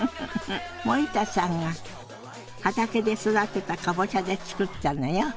森田さんが畑で育てたかぼちゃで作ったのよ。